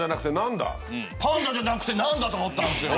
パンダじゃなくてなんだと思ったんですよ。